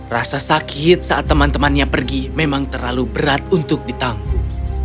rasa sakit saat teman temannya pergi memang terlalu berat untuk ditanggung